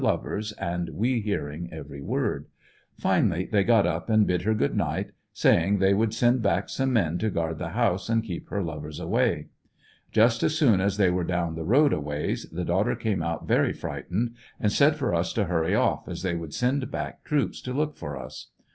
147 lovers and we hearing every word. Finally they got up and bid her good night, saying they would send back some men to guard the house and keep her lovers away. Just as soon as they were down the road a ways, the daughter came out very frightened and said for us to hurry off, as they would send back troops to look for us.